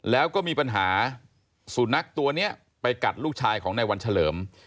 แล้วก็มีปัญหาสุนัขตัวนี้ไปกัดลูกชายของในวันเฉลิม